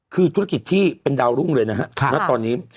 คือธุรกิจที่เป็นดาวรุ่งเลยนะฮะณตอนนี้